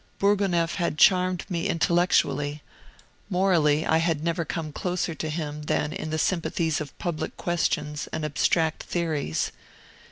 Bourgonef had charmed me intellectually; morally I had never come closer to him than in the sympathies of public questions and abstract theories.